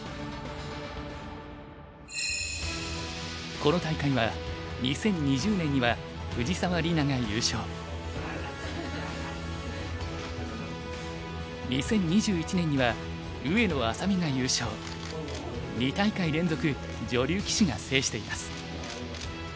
この大会は２０２０年には２０２１年には２大会連続女流棋士が制しています。